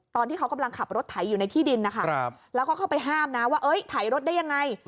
ตอนที่เขากำลังขับรถไถอยู่ในที่ดินนะคะแล้วก็เข้าไปห้ามนะว่าเอ้ยไถรถได้ยังไง